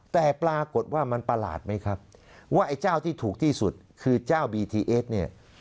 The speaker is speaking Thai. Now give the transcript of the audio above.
แต่ปรากฏว่ามันประหลาดไหมครับว่าไอ้เจ้าที่ถูกที่สุดคือเจ้าบีทีเอสเนี่ย